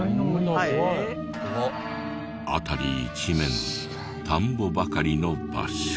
辺り一面田んぼばかりの場所。